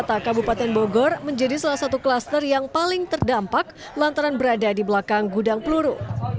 kota kabupaten bogor menjadi salah satu kluster yang paling terdampak lantaran berada di belakang gudang peluru